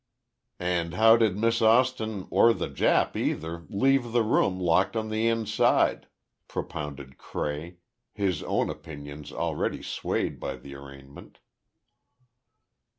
"And how did Miss Austin or the Jap, either, leave the room locked on the inside?" propounded Cray, his own opinions already swayed by the arraignment.